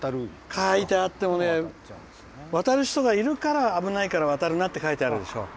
書いてあっても渡る人がいるから危ないから渡るなって書いてあるでしょ。